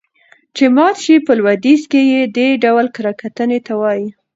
چې مات شي. په لويديځ کې يې دې ډول کره کتنې ته ووايه.